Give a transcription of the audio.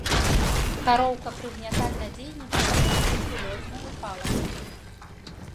Кароўка прыгнятальна дзейнічае на туберкулёзную палачку.